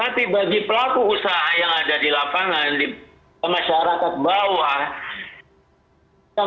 tapi bagi pelaku usaha yang ada di lapangan di masyarakat bawah